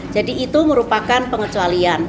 jadi itu merupakan pengecualian